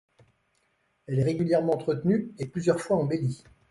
Elle est régulièrement entretenue et plusieurs fois embellie.